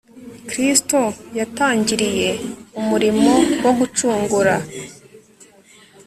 Kristo yatangiriye umurimo wo gucungura